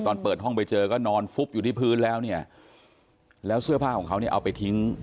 ตอนเปิดห้องไปเจอก็นอนฟุบอยู่ที่พื้นแล้วเนี่ยแล้วเสื้อผ้าของเขาเนี่ยเอาไปทิ้ง